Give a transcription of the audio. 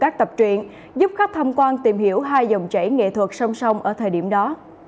các tập truyện giúp khách tham quan tìm hiểu hai dòng chảy nghệ thuật song song ở thời điểm đó